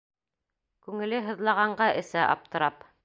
Күңеле һыҙлағанға эсә, аптырап.